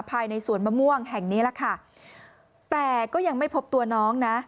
ภายในสวนมะม่วงแห่งนี้แหละค่ะแต่ก็ยังไม่พบตัวน้องนะ